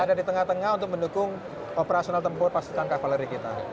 ada di tengah tengah untuk mendukung operasional tempur pasukan kavaleri kita